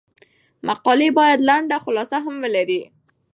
مقالې باید لنډه خلاصه هم ولري.